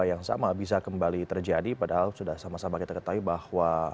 yang sama bisa kembali terjadi padahal sudah sama sama kita ketahui bahwa